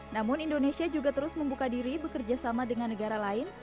namun indonesia juga terus membuka diri bekerja sama dengan negara lain